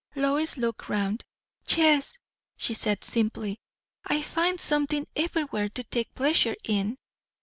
Lois looked round. "Yes," she said simply. "I find something everywhere to take pleasure in."